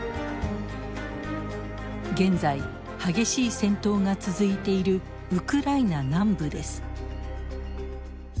現在激しい戦闘が続いているウクライナ南部です。